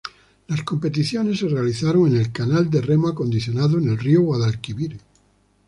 Las competiciones se realizaron en el canal de remo acondicionado en el río Guadalquivir.